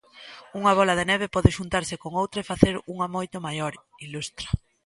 "Unha bóla de neve pode xuntarse con outra e facer unha moito maior", ilustra.